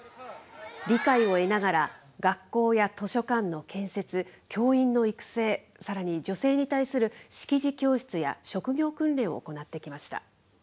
理解を得ながら、学校や図書館の建設、教員の育成、さらに女性に対する識字教室や職業訓練を行ってきました。